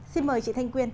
xin mời chị thanh quyên